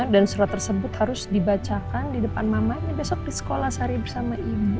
dan surat tersebut harus dibacakan di depan mamanya besok di sekolah sehari bersama ibu